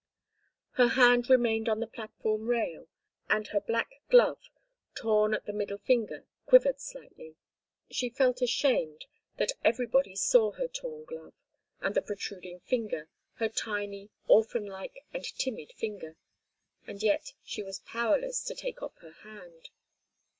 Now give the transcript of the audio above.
Her hand remained on the platform rail, and her black glove, torn at the middle finger, quivered slightly. She felt ashamed that everybody saw her tom glove and the protruding finger, her tiny, orphan like, and timid finger—and yet she was powerless to take off her hand.